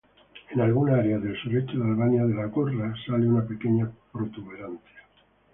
En algunas áreas del sureste de Albania, de la gorra sale una pequeña protuberancia.